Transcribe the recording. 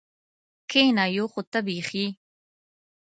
کېنه یو خو ته بېخي.